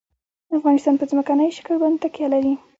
افغانستان په ځمکنی شکل باندې تکیه لري.